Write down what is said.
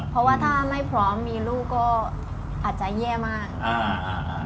เพราะว่าถ้าไม่พร้อมมีลูกก็อาจจะแย่มากอ่า